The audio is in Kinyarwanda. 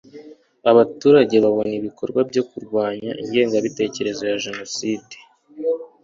abaturage babona ibikorwa byo kurwanya ingengabitekerezo ya jenoside